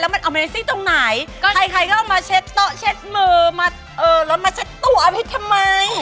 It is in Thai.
แล้วมันเอามาซิ้งตรงไหนใครก็เอามาเช็ดเตาเช็ดมือเออรถมาเช็ดตัวเอาให้ทำไม